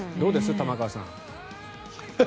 玉川さん。